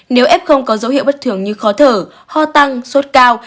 nếu f có dấu hiệu bất thường như khó thở ho tăng sốt cao